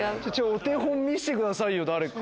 お手本見せてくださいよ誰か。